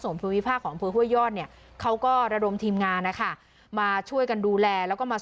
มีประชาชนในพื้นที่เขาถ่ายคลิปเอาไว้ได้ค่ะ